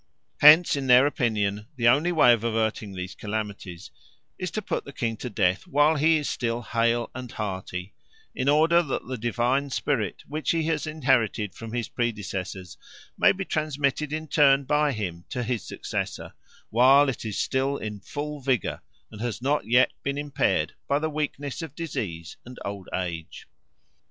Hence, in their opinion, the only way of averting these calamities is to put the king to death while he is still hale and hearty, in order that the divine spirit which he has inherited from his predecessors may be transmitted in turn by him to his successor while it is still in full vigour and has not yet been impaired by the weakness of disease and old age.